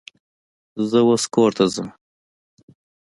زه اوس کور ته ځمه.